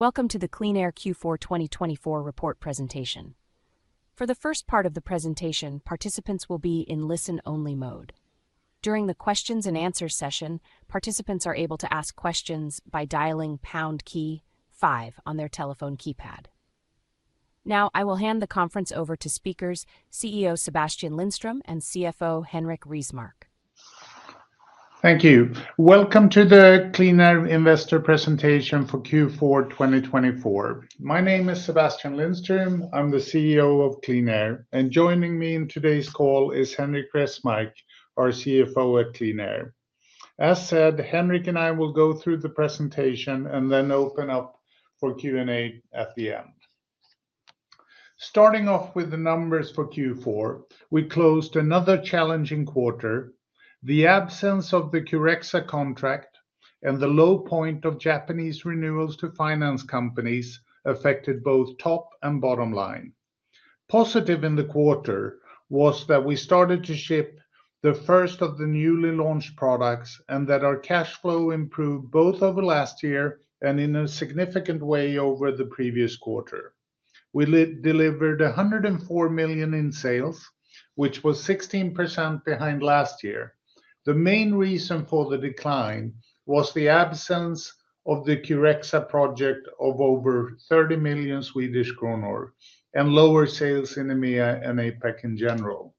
Welcome to the QleanAir Q4 2024 report presentation. For the first part of the presentation, participants will be in listen-only mode. During the questions-and-answers session, participants are able to ask questions by dialing pound key five on their telephone keypad. Now, I will hand the conference over to speakers CEO Sebastian Lindström and CFO Henrik Resmark. Thank you. Welcome to the QleanAir Investor presentation for Q4 2024. My name is Sebastian Lindström, I'm the CEO of QleanAir, and joining me in today's call is Henrik Resmark, our CFO at QleanAir. As said, Henrik and I will go through the presentation and then open up for Q&A at the end. Starting off with the numbers for Q4, we closed another challenging quarter. The absence of the Curexa contract and the low point of Japanese renewals to finance companies affected both top and bottom line. Positive in the quarter was that we started to ship the first of the newly launched products and that our cash flow improved both over last year and in a significant way over the previous quarter. We delivered 104 million in sales, which was 16% behind last year. The main reason for the decline was the absence of the Curexa project of over 30 million Swedish kronor and lower sales in EMEA and APAC in general.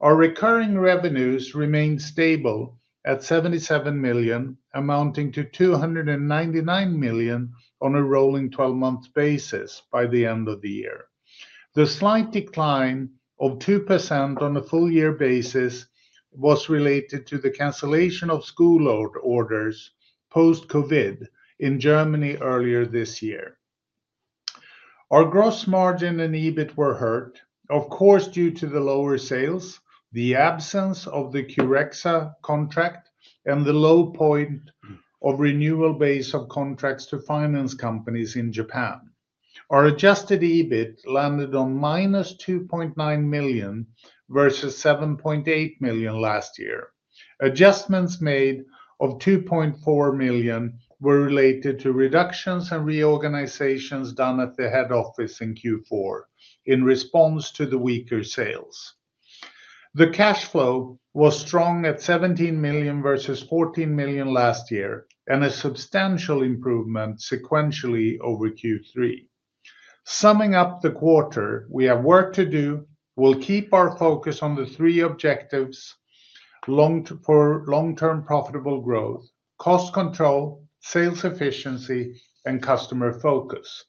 Our recurring revenues remained stable at 77 million, amounting to 299 million on a rolling 12-month basis by the end of the year. The slight decline of 2% on a full-year basis was related to the cancellation of school orders post-COVID in Germany earlier this year. Our gross margin and EBIT were hurt, of course due to the lower sales, the absence of the Curexa contract, and the low point of renewal base of contracts to finance companies in Japan. Our adjusted EBIT landed on -2.9 million versus 7.8 million last year. Adjustments made of 2.4 million were related to reductions and reorganizations done at the head office in Q4 in response to the weaker sales. The cash flow was strong at 17 million versus 14 million last year and a substantial improvement sequentially over Q3. Summing up the quarter, we have work to do. We'll keep our focus on the three objectives: long-term profitable growth, cost control, sales efficiency, and customer focus.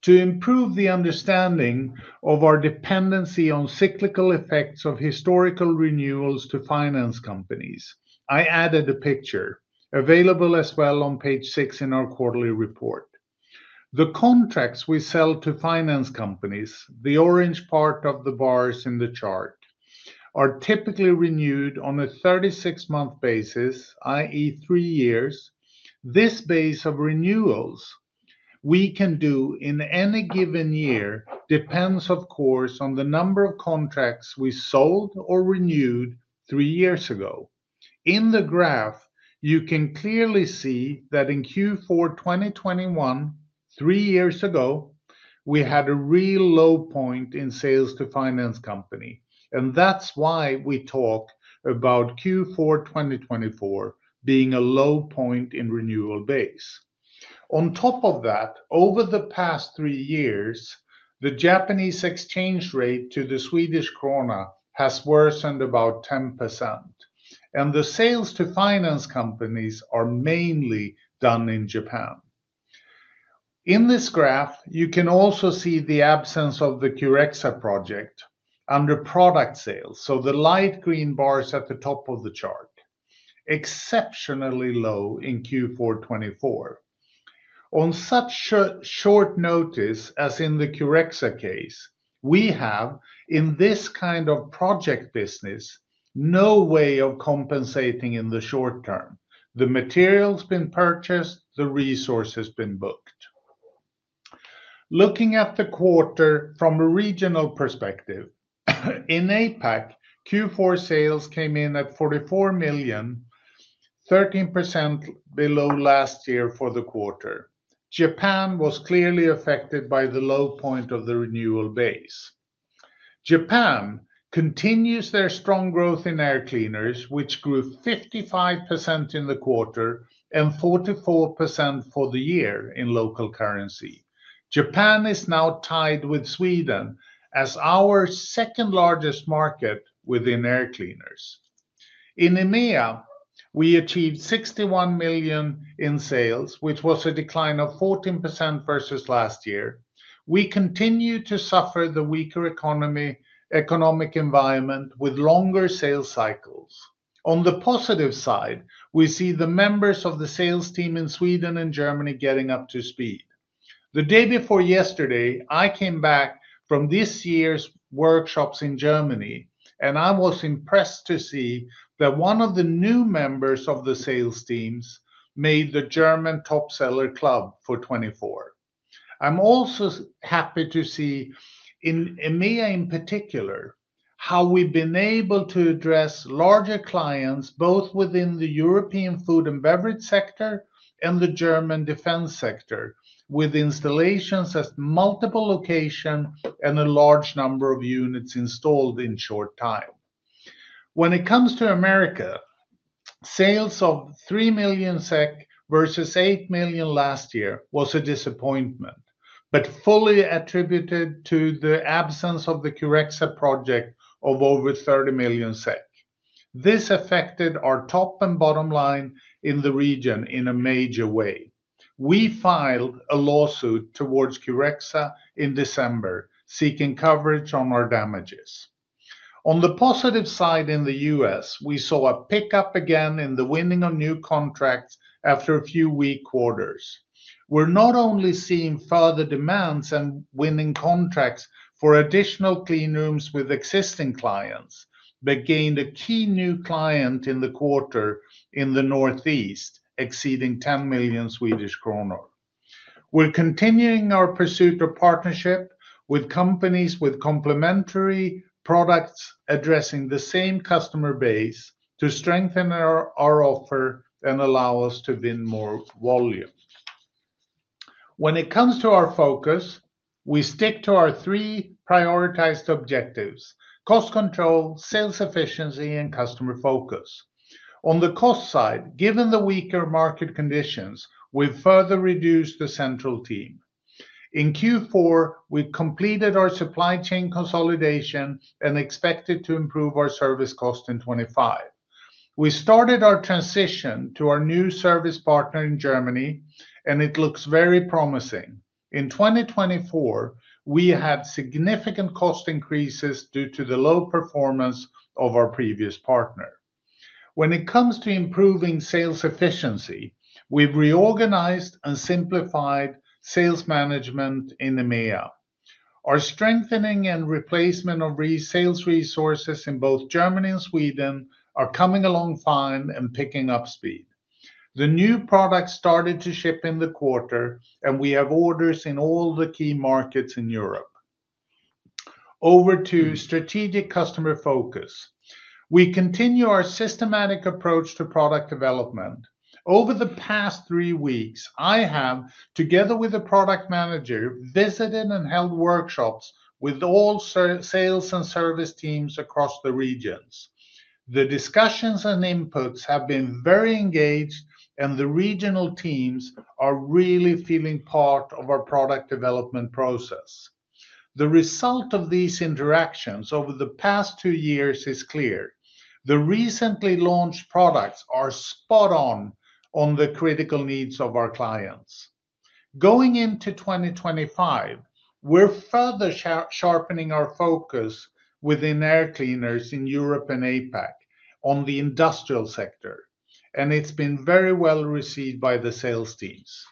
To improve the understanding of our dependency on cyclical effects of historical renewals to finance companies, I added a picture available as well on page six in our quarterly report. The contracts we sell to finance companies, the orange part of the bars in the chart, are typically renewed on a 36-month basis, i.e., three years. This base of renewals we can do in any given year depends, of course, on the number of contracts we sold or renewed three years ago. In the graph, you can clearly see that in Q4 2021, three years ago, we had a real low point in sales to finance companies, and that's why we talk about Q4 2024 being a low point in renewal base. On top of that, over the past three years, the Japanese exchange rate to the Swedish krona has worsened about 10%, and the sales to finance companies are mainly done in Japan. In this graph, you can also see the absence of the Curexa project under product sales, so the light green bars at the top of the chart, exceptionally low in Q4 2024. On such short notice as in the Curexa case, we have, in this kind of project business, no way of compensating in the short term. The material's been purchased, the resource has been booked. Looking at the quarter from a regional perspective, in APAC, Q4 sales came in at 44 million, 13% below last year for the quarter. Japan was clearly affected by the low point of the renewal base. Japan continues their strong growth in air cleaners, which grew 55% in the quarter and 44% for the year in local currency. Japan is now tied with Sweden as our second-largest market within air cleaners. In EMEA, we achieved 61 million in sales, which was a decline of 14% versus last year. We continue to suffer the weaker economic environment with longer sales cycles. On the positive side, we see the members of the sales team in Sweden and Germany getting up to speed. The day before yesterday, I came back from this year's workshops in Germany, and I was impressed to see that one of the new members of the sales teams made the German top seller club for 2024. I'm also happy to see, in EMEA in particular, how we've been able to address larger clients both within the European food and beverage sector and the German defense sector with installations at multiple locations and a large number of units installed in short time. When it comes to America, sales of 3 million SEK versus 8 million last year was a disappointment, but fully attributed to the absence of the Curexa project of over 30 million SEK. This affected our top and bottom line in the region in a major way. We filed a lawsuit towards Curexa in December, seeking coverage on our damages. On the positive side in the U.S., we saw a pickup again in the winning of new contracts after a few weak quarters. We're not only seeing further demands and winning contracts for additional cleanrooms with existing clients, but gained a key new client in the quarter in the Northeast, exceeding 10 million Swedish kronor. We're continuing our pursuit of partnership with companies with complementary products addressing the same customer base to strengthen our offer and allow us to win more volume. When it comes to our focus, we stick to our three prioritized objectives: cost control, sales efficiency, and customer focus. On the cost side, given the weaker market conditions, we've further reduced the central team. In Q4, we completed our supply chain consolidation and expect to improve our service cost in 2025. We started our transition to our new service partner in Germany, and it looks very promising. In 2024, we had significant cost increases due to the low performance of our previous partner. When it comes to improving sales efficiency, we've reorganized and simplified sales management in EMEA. Our strengthening and replacement of resales resources in both Germany and Sweden are coming along fine and picking up speed. The new products started to ship in the quarter, and we have orders in all the key markets in Europe. Over to strategic customer focus. We continue our systematic approach to product development. Over the past three weeks, I have, together with a product manager, visited and held workshops with all sales and service teams across the regions. The discussions and inputs have been very engaged, and the regional teams are really feeling part of our product development process. The result of these interactions over the past two years is clear. The recently launched products are spot on the critical needs of our clients. Going into 2025, we're further sharpening our focus within air cleaners in Europe and APAC on the industrial sector, and it's been very well received by the sales teams.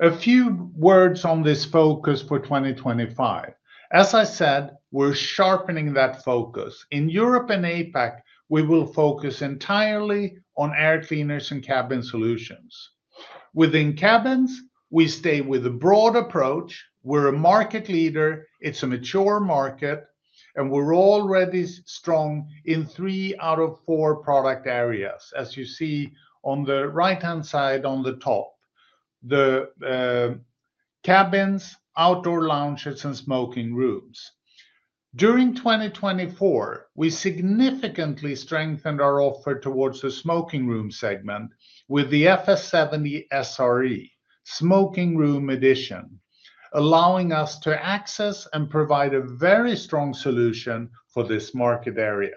A few words on this focus for 2025. As I said, we're sharpening that focus. In Europe and APAC, we will focus entirely on air cleaners and cabin solutions. Within cabins, we stay with a broad approach. We're a market leader. It's a mature market, and we're already strong in three out of four product areas, as you see on the right-hand side on the top: the cabins, outdoor lounges, and smoking rooms. During 2024, we significantly strengthened our offer towards the smoking room segment with the FS 70 SRE, Smoking Room Edition, allowing us to access and provide a very strong solution for this market area.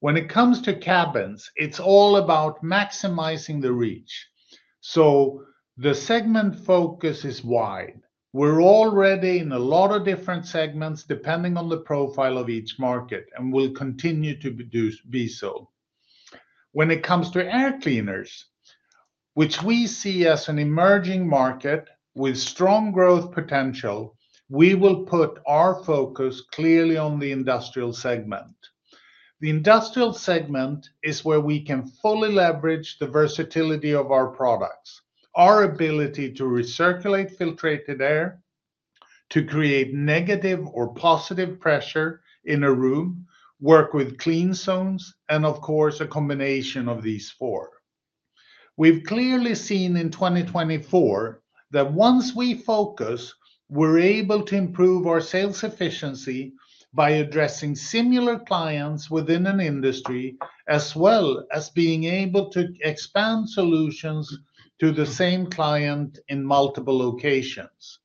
When it comes to cabins, it's all about maximizing the reach, so the segment focus is wide. We're already in a lot of different segments depending on the profile of each market, and we'll continue to be so. When it comes to air cleaners, which we see as an emerging market with strong growth potential, we will put our focus clearly on the industrial segment. The industrial segment is where we can fully leverage the versatility of our products, our ability to recirculate filtrated air, to create negative or positive pressure in a room, work with clean zones, and, of course, a combination of these four. We've clearly seen in 2024 that once we focus, we're able to improve our sales efficiency by addressing similar clients within an industry as well as being able to expand solutions to the same client in multiple locations.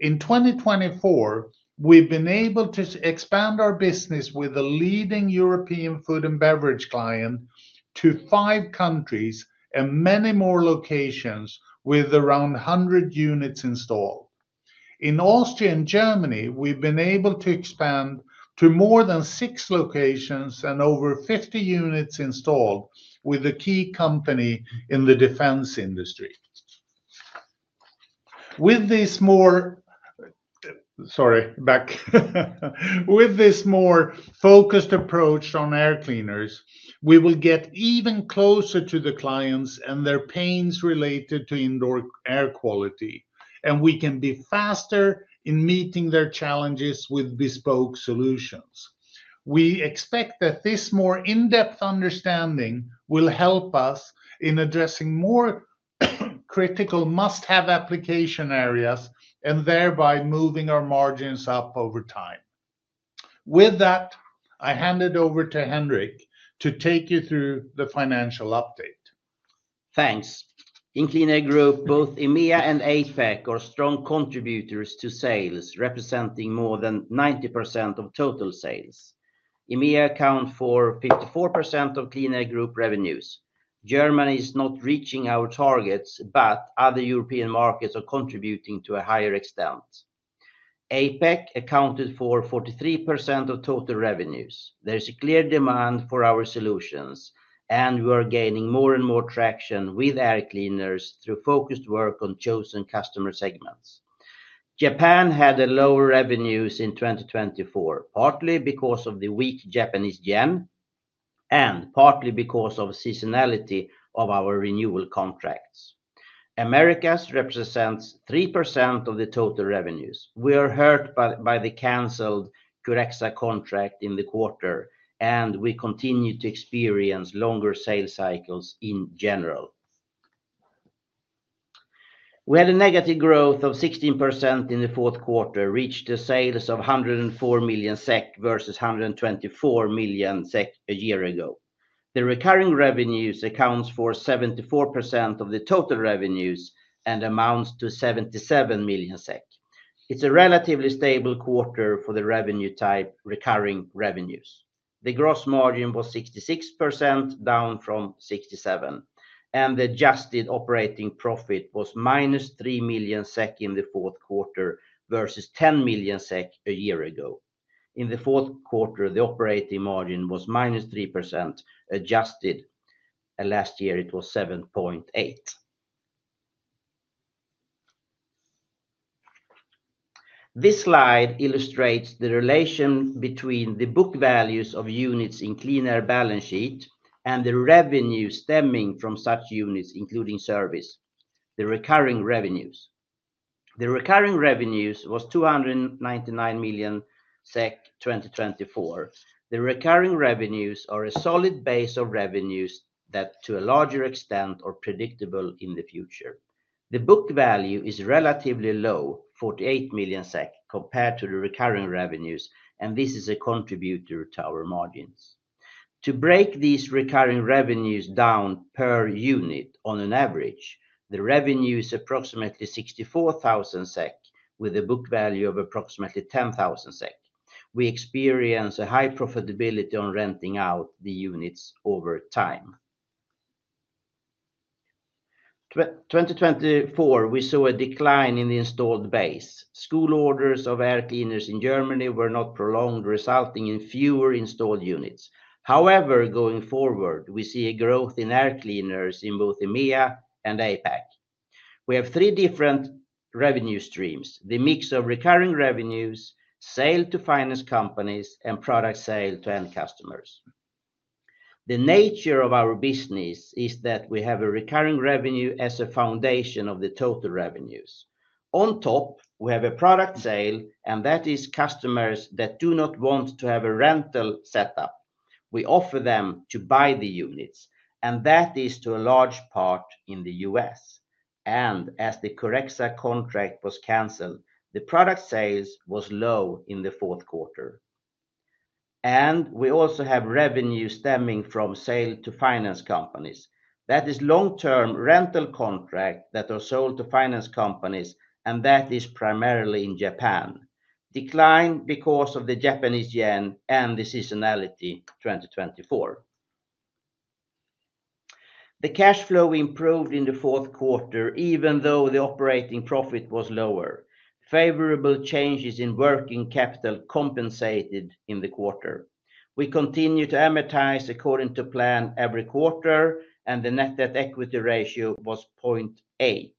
In 2024, we've been able to expand our business with a leading European food and beverage client to five countries and many more locations with around 100 units installed. In Austria and Germany, we've been able to expand to more than six locations and over 50 units installed with a key company in the defense industry. With this more focused approach on air cleaners, we will get even closer to the clients and their pains related to indoor air quality, and we can be faster in meeting their challenges with bespoke solutions. We expect that this more in-depth understanding will help us in addressing more critical must-have application areas and thereby moving our margins up over time. With that, I hand it over to Henrik to take you through the financial update. Thanks. In QleanAir Group, both EMEA and APAC are strong contributors to sales, representing more than 90% of total sales. EMEA accounts for 54% of QleanAir Group revenues. Germany is not reaching our targets, but other European markets are contributing to a higher extent. APAC accounted for 43% of total revenues. There is a clear demand for our solutions, and we're gaining more and more traction with air cleaners through focused work on chosen customer segments. Japan had lower revenues in 2024, partly because of the weak JPY and partly because of seasonality of our renewal contracts. United States represents 3% of the total revenues. We are hurt by the canceled Curexa contract in the quarter, and we continue to experience longer sales cycles in general. We had a negative growth of 16% in the fourth quarter, reached a sales of 104 million SEK versus 124 million SEK a year ago. The recurring revenues account for 74% of the total revenues and amount to 77 million SEK. It's a relatively stable quarter for the revenue type recurring revenues. The gross margin was 66%, down from 67%, and the adjusted operating profit was -3 million SEK in the fourth quarter versus 10 million SEK a year ago. In the fourth quarter, the operating margin was -3%, adjusted. Last year, it was 7.8%. This slide illustrates the relation between the book values of units in QleanAir balance sheet and the revenue stemming from such units, including service, the recurring revenues. The recurring revenues was 299 million SEK 2024. The recurring revenues are a solid base of revenues that, to a larger extent, are predictable in the future. The book value is relatively low, 48 million SEK, compared to the recurring revenues, and this is a contributor to our margins. To break these recurring revenues down per unit on an average, the revenue is approximately 64,000 SEK, with a book value of approximately 10,000 SEK. We experience a high profitability on renting out the units over time. In 2024, we saw a decline in the installed base. School orders of air cleaners in Germany were not prolonged, resulting in fewer installed units. However, going forward, we see a growth in air cleaners in both EMEA and APAC. We have three different revenue streams: the mix of recurring revenues, sale to finance companies, and product sale to end customers. The nature of our business is that we have a recurring revenue as a foundation of the total revenues. On top, we have a product sale, and that is customers that do not want to have a rental setup. We offer them to buy the units, and that is to a large part in the U.S. As the Curexa contract was canceled, the product sales were low in the fourth quarter. We also have revenues stemming from sale to finance companies. That is long-term rental contracts that are sold to finance companies, and that is primarily in Japan, declined because of the Japanese yen and the seasonality in 2024. The cash flow improved in the fourth quarter, even though the operating profit was lower. Favorable changes in working capital compensated in the quarter. We continue to amortize according to plan every quarter, and the net debt equity ratio was 0.8.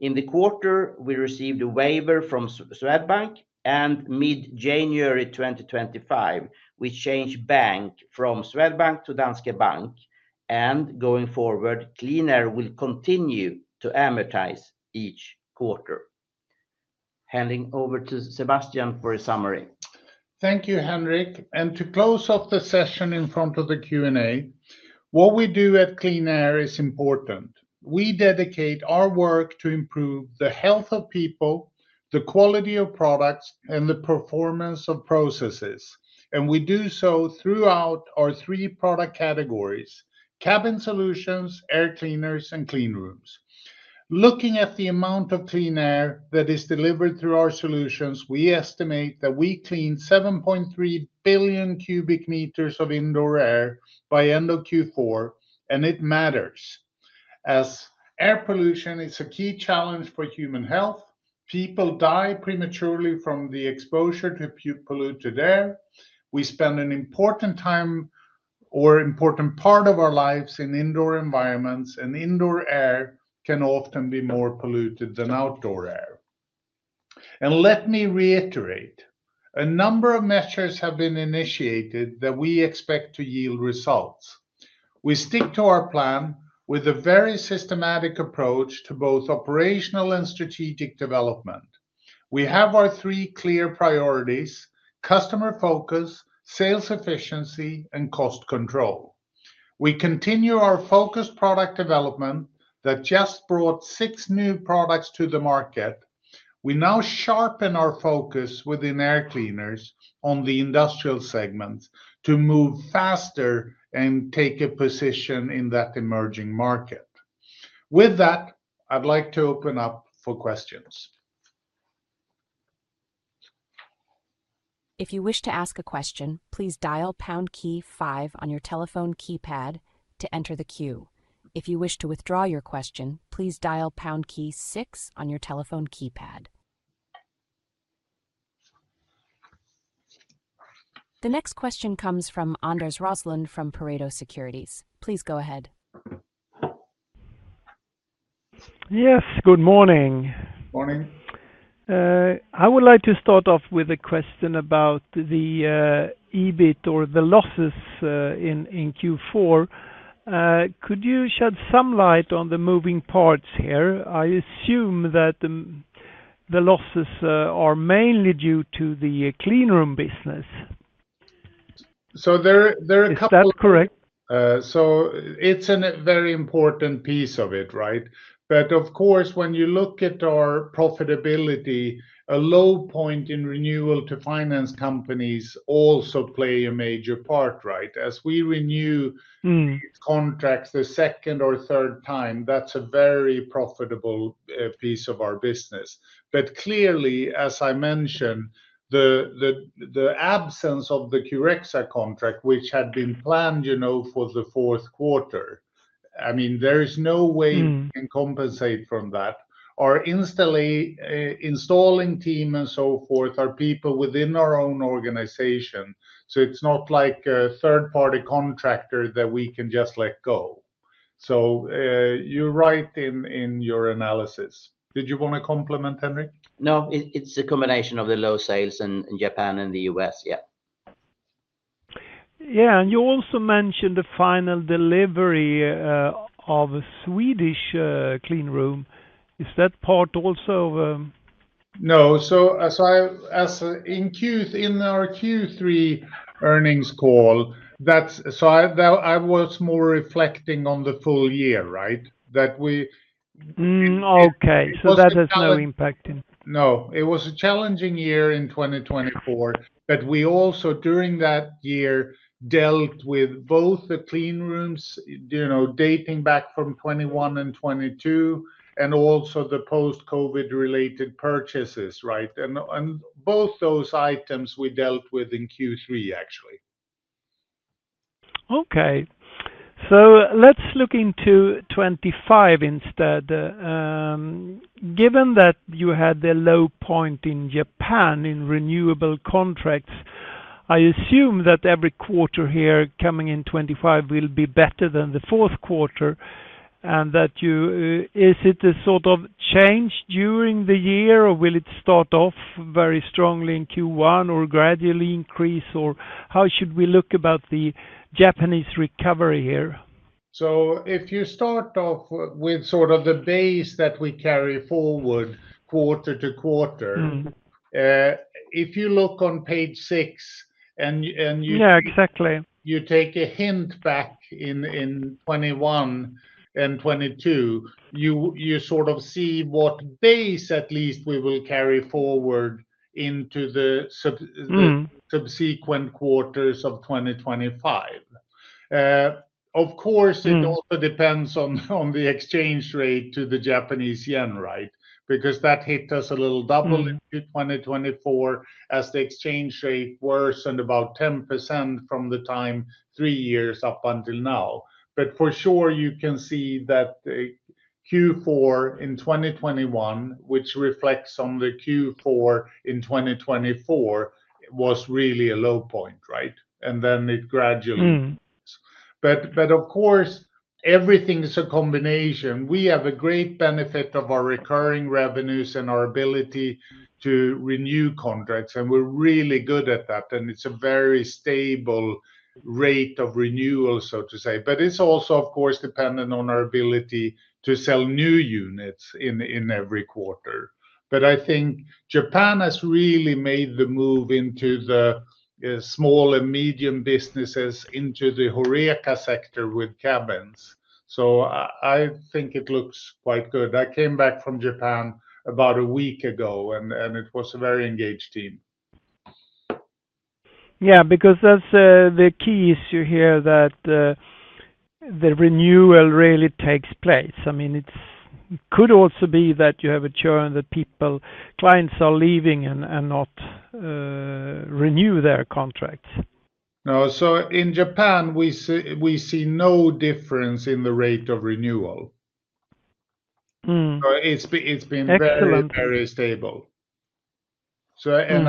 In the quarter, we received a waiver from Swedbank. Mid-January 2025, we changed bank from Swedbank to Danske Bank. Going forward, QleanAir will continue to amortize each quarter. Handing over to Sebastian for a summary. Thank you, Henrik. To close off the session in front of the Q&A, what we do at QleanAir is important. We dedicate our work to improve the health of people, the quality of products, and the performance of processes. We do so throughout our three product categories: cabin solutions, air cleaners, and cleanrooms. Looking at the amount of clean air that is delivered through our solutions, we estimate that we clean 7.3 billion cubic meters of indoor air by end of Q4, and it matters. As air pollution is a key challenge for human health, people die prematurely from the exposure to polluted air. We spend an important part of our lives in indoor environments, and indoor air can often be more polluted than outdoor air. Let me reiterate, a number of measures have been initiated that we expect to yield results. We stick to our plan with a very systematic approach to both operational and strategic development. We have our three clear priorities: customer focus, sales efficiency, and cost control. We continue our focused product development that just brought six new products to the market. We now sharpen our focus within air cleaners on the industrial segments to move faster and take a position in that emerging market. With that, I'd like to open up for questions. If you wish to ask a question, please dial pound key five on your telephone keypad to enter the queue. If you wish to withdraw your question, please dial pound key six on your telephone keypad. The next question comes from Anders Roslund from Pareto Securities. Please go ahead. Yes, good morning. Morning. I would like to start off with a question about the EBIT or the losses in Q4. Could you shed some light on the moving parts here? I assume that the losses are mainly due to the cleanroom business. There are a couple. Is that correct? It is a very important piece of it, right? Of course, when you look at our profitability, a low point in renewal to finance companies also plays a major part, right? As we renew contracts the second or third time, that is a very profitable piece of our business. Clearly, as I mentioned, the absence of the Curexa contract, which had been planned for the fourth quarter, I mean, there is no way we can compensate from that. Our installing team and so forth are people within our own organization, so it is not like a third-party contractor that we can just let go. You are right in your analysis. Did you want to complement, Henrik? No, it's a combination of the low sales in Japan and the U.S., yeah. Yeah, and you also mentioned the final delivery of a Swedish cleanroom. Is that part also? No, in our Q3 earnings call, I was more reflecting on the full year, right? That we. Okay, so that has no impact in. No, it was a challenging year in 2024, but we also, during that year, dealt with both the cleanrooms dating back from 2021 and 2022, and also the post-COVID-related purchases, right? Both those items we dealt with in Q3, actually. Okay, let's look into 2025 instead. Given that you had the low point in Japan in renewable contracts, I assume that every quarter here coming in 2025 will be better than the fourth quarter, and that you is it a sort of change during the year, or will it start off very strongly in Q1 or gradually increase, or how should we look about the Japanese recovery here? If you start off with sort of the base that we carry forward quarter to quarter, if you look on page six and you. Yeah, exactly. You take a hint back in 2021 and 2022, you sort of see what base at least we will carry forward into the subsequent quarters of 2025. Of course, it also depends on the exchange rate to the Japanese yen, right? Because that hit us a little double in 2024 as the exchange rate worsened about 10% from the time three years up until now. For sure, you can see that Q4 in 2021, which reflects on the Q4 in 2024, was really a low point, right? It gradually improves. Of course, everything is a combination. We have a great benefit of our recurring revenues and our ability to renew contracts, and we're really good at that, and it's a very stable rate of renewal, so to say. It is also, of course, dependent on our ability to sell new units in every quarter. I think Japan has really made the move into the small and medium businesses into the HoReCa sector with cabins. I think it looks quite good. I came back from Japan about a week ago, and it was a very engaged team. Yeah, because that's the key issue here that the renewal really takes place. I mean, it could also be that you have a churn that people, clients are leaving and not renew their contracts. No, so in Japan, we see no difference in the rate of renewal. It's been very, very stable. And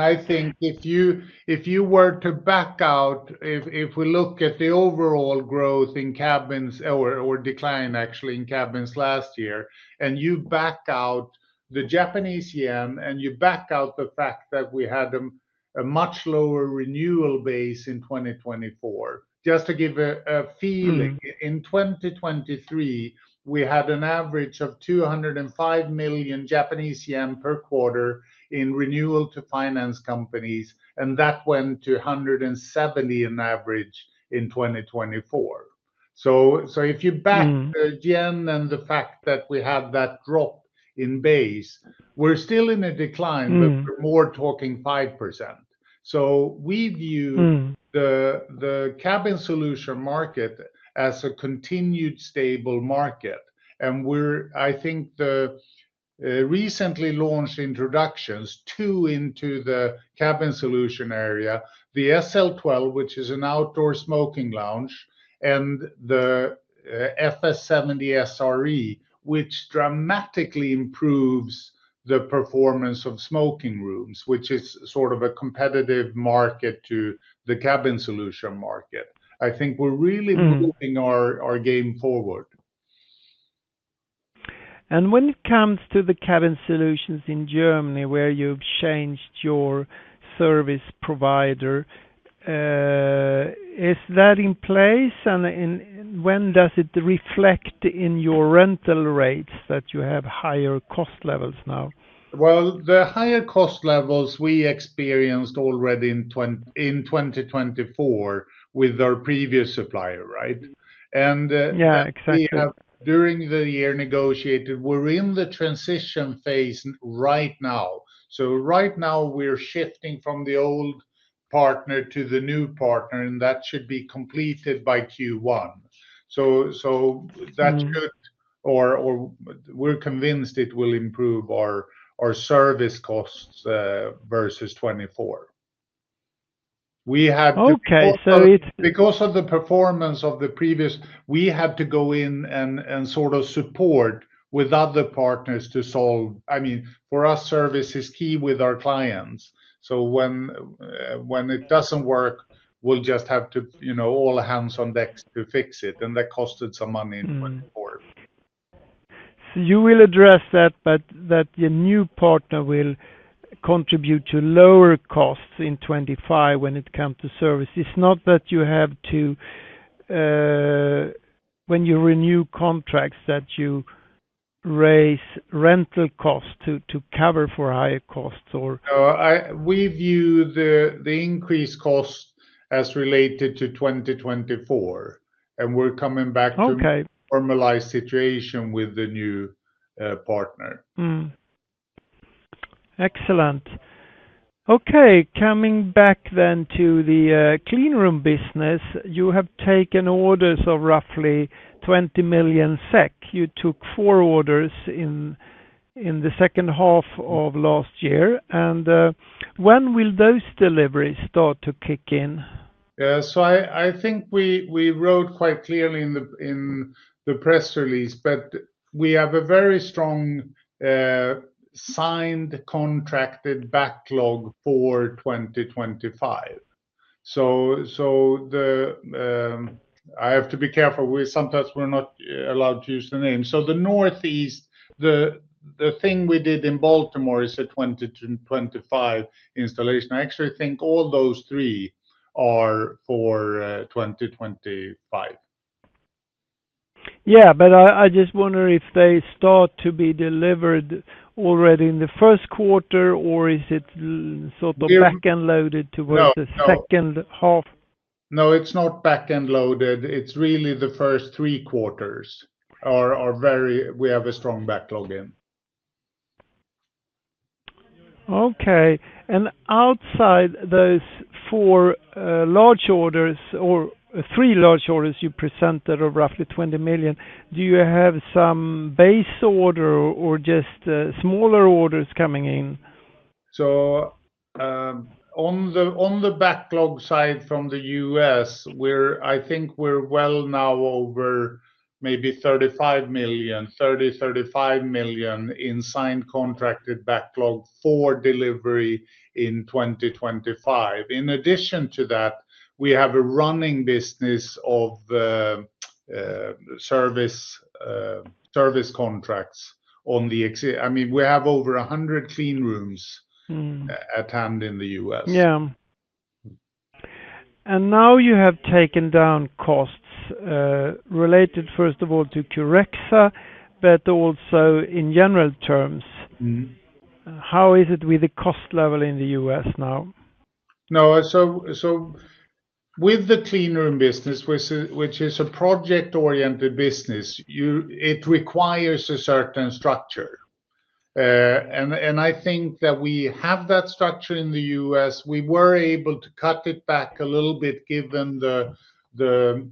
I think if you were to back out, if we look at the overall growth in cabins or decline, actually, in cabins last year, and you back out the Japanese yen and you back out the fact that we had a much lower renewal base in 2024, just to give a feeling, in 2023, we had an average of 205 million Japanese yen per quarter in renewal to finance companies, and that went to 170 million in average in 2024. If you back the yen and the fact that we had that drop in base, we're still in a decline, but we're more talking 5%. We view the cabin solution market as a continued stable market. I think the recently launched introductions, two into the cabin solution area, the SL 12, which is an outdoor smoking lounge, and the FS 70 SRE, which dramatically improves the performance of smoking rooms, which is sort of a competitive market to the cabin solution market. I think we're really moving our game forward. When it comes to the cabin solutions in Germany, where you've changed your service provider, is that in place? When does it reflect in your rental rates that you have higher cost levels now? The higher cost levels we experienced already in 2024 with our previous supplier, right? Yeah, exactly. We have during the year negotiated, we're in the transition phase right now. Right now, we're shifting from the old partner to the new partner, and that should be completed by Q1. That's good, or we're convinced it will improve our service costs versus 2024. We had to. Okay, so it's. Because of the performance of the previous, we had to go in and sort of support with other partners to solve. I mean, for us, service is key with our clients. When it doesn't work, we'll just have to all hands on deck to fix it, and that costed some money in 2024. You will address that, but that the new partner will contribute to lower costs in 2025 when it comes to service. It's not that you have to, when you renew contracts, that you raise rental costs to cover for higher costs or. No, we view the increased costs as related to 2024, and we're coming back to a normalized situation with the new partner. Excellent. Okay, coming back then to the cleanroom business, you have taken orders of roughly 20 million SEK. You took four orders in the second half of last year. When will those deliveries start to kick in? I think we wrote quite clearly in the press release, but we have a very strong signed contracted backlog for 2025. I have to be careful. Sometimes we're not allowed to use the name. The Northeast, the thing we did in Baltimore is a 2025 installation. I actually think all those three are for 2025. Yeah, I just wonder if they start to be delivered already in the first quarter, or is it sort of backend loaded towards the second half? No, it's not backend loaded. It's really the first three quarters are very, we have a strong backlog in. Okay. Outside those four large orders or three large orders you presented of roughly 20 million, do you have some base order or just smaller orders coming in? On the backlog side from the U.S., I think we're well now over maybe 35 million, 30 million-35 million in signed contracted backlog for delivery in 2025. In addition to that, we have a running business of service contracts on the, I mean, we have over 100 cleanrooms at hand in the U.S. Yeah. Now you have taken down costs related, first of all, to Curexa, but also in general terms, how is it with the cost level in the U.S. now? No, with the cleanroom business, which is a project-oriented business, it requires a certain structure. I think that we have that structure in the U.S. We were able to cut it back a little bit given the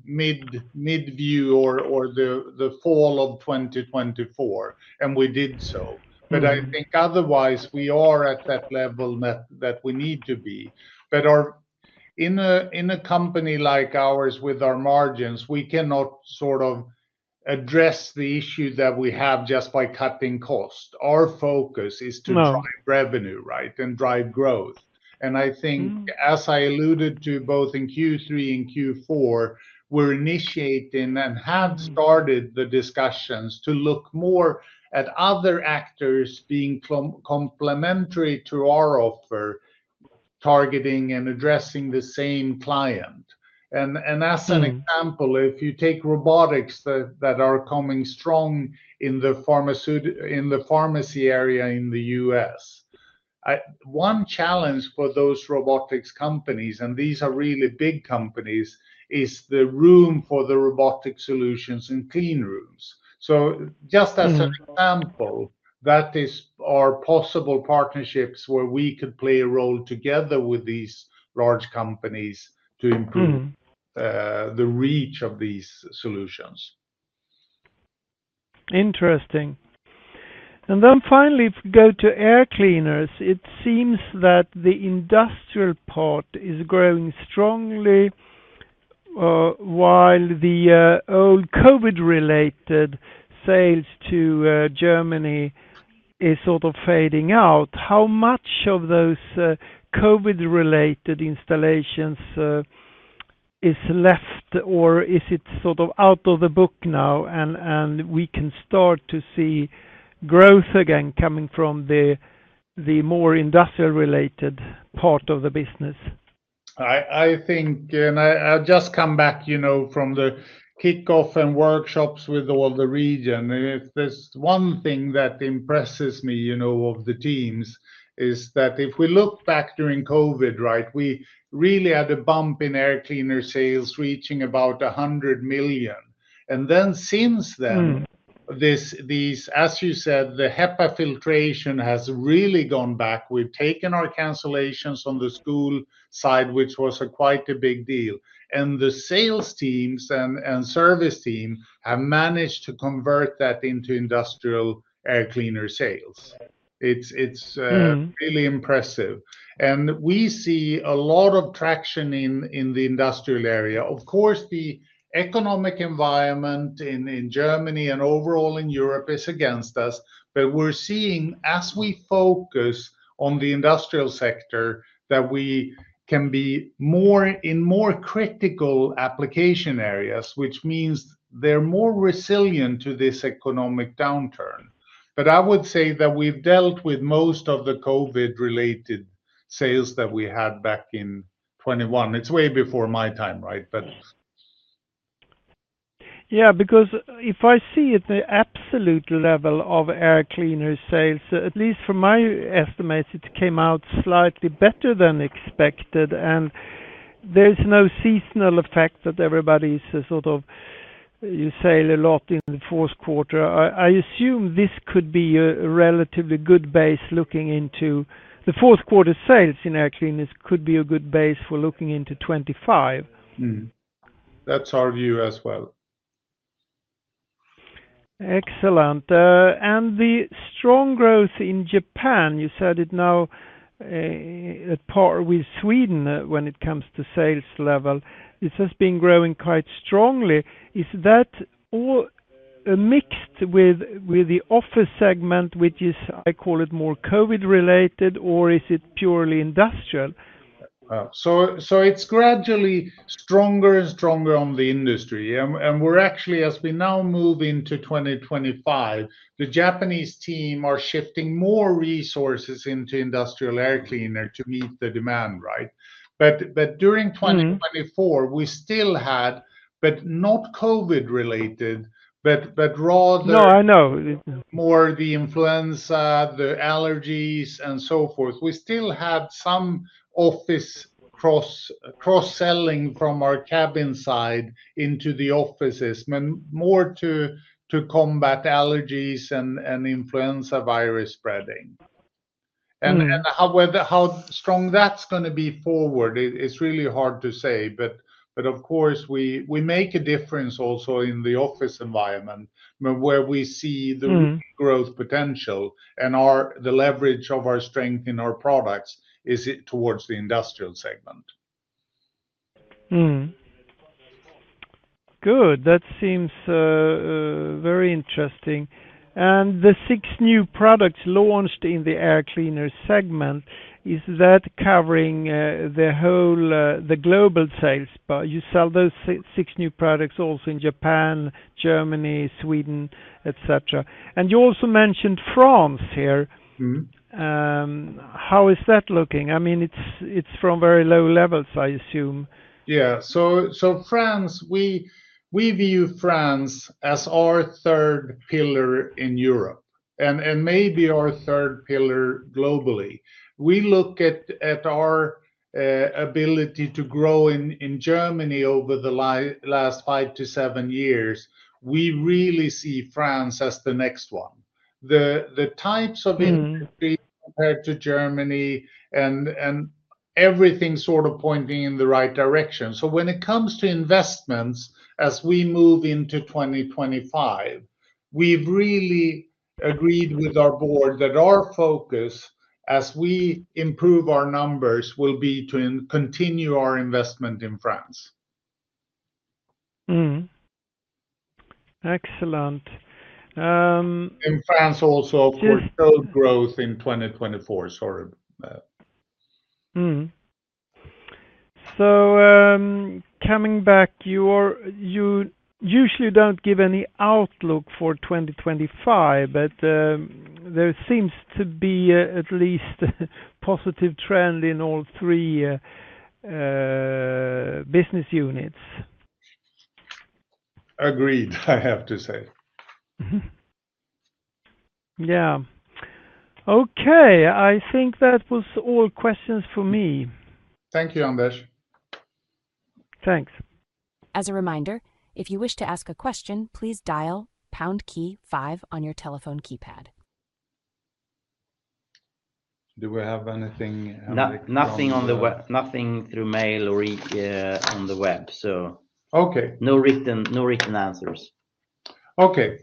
mid-view or the fall of 2024, and we did so. I think otherwise we are at that level that we need to be. In a company like ours with our margins, we cannot sort of address the issue that we have just by cutting cost. Our focus is to drive revenue, right, and drive growth. I think, as I alluded to both in Q3 and Q4, we're initiating and have started the discussions to look more at other actors being complementary to our offer, targeting and addressing the same client. As an example, if you take robotics that are coming strong in the pharmacy area in the U.S., one challenge for those robotics companies, and these are really big companies, is the room for the robotic solutions and cleanrooms. Just as an example, that is our possible partnerships where we could play a role together with these large companies to improve the reach of these solutions. Interesting. Finally, if we go to air cleaners, it seems that the industrial part is growing strongly while the old COVID-related sales to Germany are sort of fading out. How much of those COVID-related installations is left, or is it sort of out of the book now, and we can start to see growth again coming from the more industrial-related part of the business? I think, and I just come back from the kickoff and workshops with all the region. If there's one thing that impresses me of the teams is that if we look back during COVID, right, we really had a bump in air cleaner sales reaching about 100 million. Since then, these, as you said, the HEPA filtration has really gone back. We've taken our cancellations on the school side, which was quite a big deal. The sales teams and service team have managed to convert that into industrial air cleaner sales. It's really impressive. We see a lot of traction in the industrial area. Of course, the economic environment in Germany and overall in Europe is against us, but we're seeing, as we focus on the industrial sector, that we can be in more critical application areas, which means they're more resilient to this economic downturn. I would say that we've dealt with most of the COVID-related sales that we had back in 2021. It's way before my time, right? Yeah, because if I see it, the absolute level of air cleaner sales, at least from my estimates, it came out slightly better than expected. There's no seasonal effect that everybody's sort of, you sail a lot in the fourth quarter. I assume this could be a relatively good base looking into the fourth quarter sales in air cleaners could be a good base for looking into 2025. That's our view as well. Excellent. The strong growth in Japan, you said it now at part with Sweden when it comes to sales level, it has been growing quite strongly. Is that mixed with the office segment, which is, I call it more COVID-related, or is it purely industrial? It's gradually stronger and stronger on the industry. We're actually, as we now move into 2025, the Japanese team are shifting more resources into industrial air cleaner to meet the demand, right? During 2024, we still had, but not COVID-related, but rather. No, I know. More the influenza, the allergies, and so forth. We still had some office cross-selling from our cabin side into the offices, more to combat allergies and influenza virus spreading. How strong that's going to be forward, it's really hard to say. Of course, we make a difference also in the office environment where we see the growth potential and the leverage of our strength in our products is towards the industrial segment. Good. That seems very interesting. The six new products launched in the air cleaner segment, is that covering the whole global sales? You sell those six new products also in Japan, Germany, Sweden, et cetera. You also mentioned France here. How is that looking? I mean, it's from very low levels, I assume. Yeah. France, we view France as our third pillar in Europe and maybe our third pillar globally. We look at our ability to grow in Germany over the last five to seven years. We really see France as the next one. The types of industries compared to Germany and everything sort of pointing in the right direction. When it comes to investments, as we move into 2025, we've really agreed with our board that our focus, as we improve our numbers, will be to continue our investment in France. Excellent. France also, of course, growth in 2024, sorry. Coming back, you usually don't give any outlook for 2025, but there seems to be at least a positive trend in all three business units. Agreed, I have to say. Yeah. Okay. I think that was all questions for me. Thank you, Anders. Thanks. As a reminder, if you wish to ask a question, please dial pound key five on your telephone keypad. Do we have anything? Nothing through mail or on the web, so. Okay. No written answers. Okay.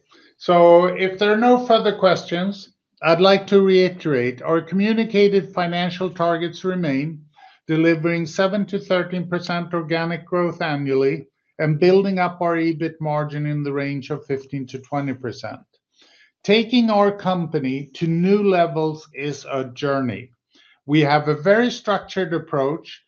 If there are no further questions, I'd like to reiterate our communicated financial targets remain delivering 7%-13% organic growth annually and building up our EBIT margin in the range of 15%-20%. Taking our company to new levels is a journey. We have a very structured approach,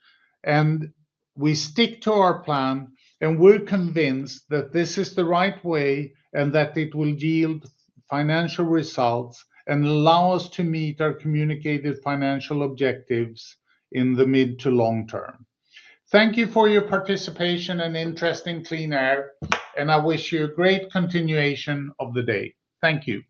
and we stick to our plan, and we're convinced that this is the right way and that it will yield financial results and allow us to meet our communicated financial objectives in the mid to long term. Thank you for your participation and interest in QleanAir, and I wish you a great continuation of the day. Thank you.